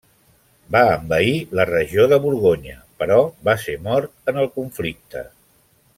Va envair la regió de Borgonya, però va ser mort en el conflicte.